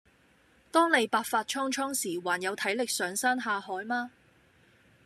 當你白髮蒼蒼時還有體力上山下海嗎？